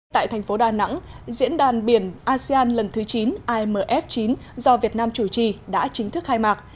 tại thành phố đà nẵng diễn đàn biển asean lần thứ chín imf chín do việt nam chủ trì đã chính thức khai mạc